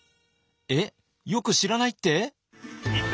えっよく知らないって？